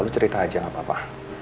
lu cerita aja gak apa apa